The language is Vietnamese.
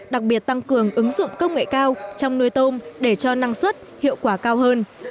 đặc biệt tăng cường ứng dụng công nghệ cao trong nuôi tôm để cho năng suất hiệu quả cao hơn